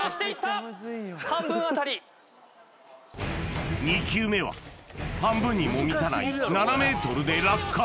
半分あたり２球目は半分にも満たない７ｍで落下